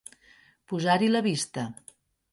Posar-hi la vista.